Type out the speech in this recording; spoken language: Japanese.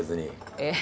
えっ？